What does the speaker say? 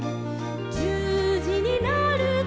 「じゅうじになると」